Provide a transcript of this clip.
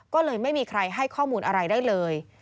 ก็เลยไม่มีใครให้ข้อมูลอะไรได้เลย